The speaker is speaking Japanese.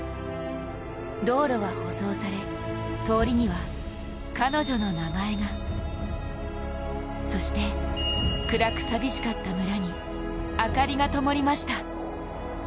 道路は舗装され通りには彼女の名前がそして、暗く寂しかった村に明かりがともりました。